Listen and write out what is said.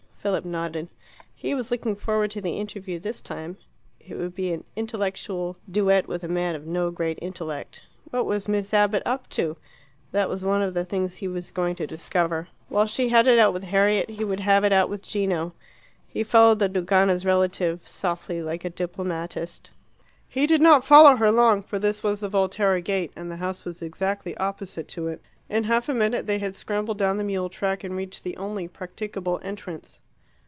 Philip nodded. He was looking forward to the interview this time: it would be an intellectual duet with a man of no great intellect. What was Miss Abbott up to? That was one of the things he was going to discover. While she had it out with Harriet, he would have it out with Gino. He followed the Dogana's relative softly, like a diplomatist. He did not follow her long, for this was the Volterra gate, and the house was exactly opposite to it. In half a minute they had scrambled down the mule track and reached the only practicable entrance.